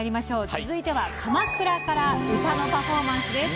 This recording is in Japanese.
続いては鎌倉から歌のパフォーマンスです。